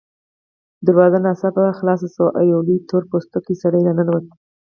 دروازه ناڅاپه خلاصه شوه او یو لوی تور پوستکی سړی راننوت